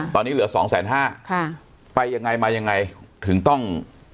ตอนนี้เหลือ๒๕๐๐๐๐๐บาทไปยังไงมายังไงถึงต้อง